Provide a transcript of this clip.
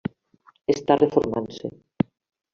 Està reformant-se.